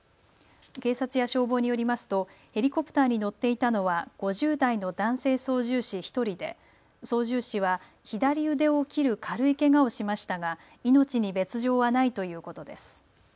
警察や消防によりますとヘリコプターに乗っていたのは５０代の男性操縦士１人で操縦士は左腕を切る軽いけがをしましたが命に別状はないということです。